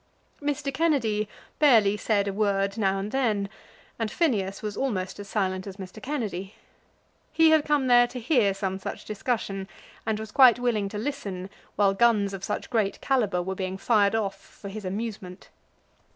Mr. Kennedy barely said a word now and then, and Phineas was almost as silent as Mr. Kennedy. He had come there to hear some such discussion, and was quite willing to listen while guns of such great calibre were being fired off for his amusement.